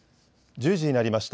１０時になりました。